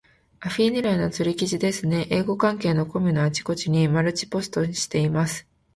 アフィ狙いの釣り記事ですね。英語関係のコミュのあちこちにマルチポストしています。